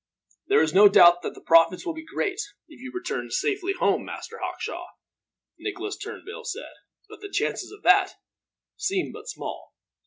"There is no doubt that the profits will be great, if you return safely home, Master Hawkshaw," Nicholas Turnbull said; "but the chances of that seem but small."